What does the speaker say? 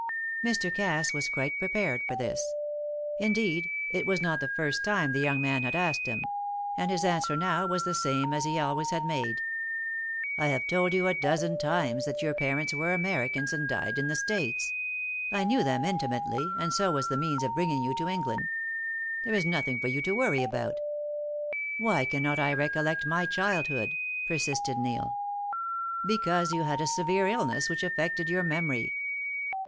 Mr. Cass was quite prepared for this. Indeed, it was not the first time the young man had asked him! and his answer now was the same as he had always made. "I have told you a dozen times that your parents were Americans and died in the States. I knew them intimately, and so was the means of bringing you to England. There is nothing for you to worry about." "Why cannot I recollect my childhood?" persisted Neil. "Because you had a severe illness which affected your memory."